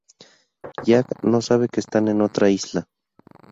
Jack no sabe que están en otra isla.